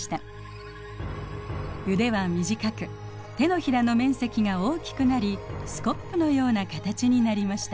腕は短く手のひらの面積が大きくなりスコップのような形になりました。